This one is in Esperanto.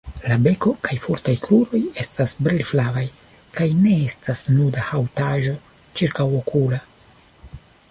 La beko kaj fortaj kruroj estas brilflavaj, kaj ne estas nuda haŭtaĵo ĉirkaŭokula.